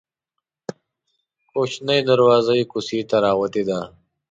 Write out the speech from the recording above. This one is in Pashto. کوچنۍ دروازه یې کوڅې ته راوتې ده.